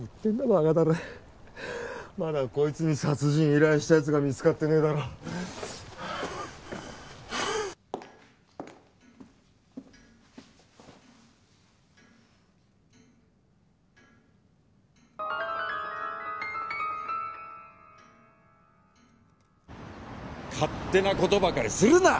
バカタレまだこいつに殺人依頼したやつが見つかってねえだろ勝手なことばかりするな！